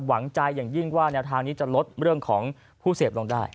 หวังใจอย่างยิ่งว่าแนวทางนี้จะลดเรื่องของผู้เสพลงได้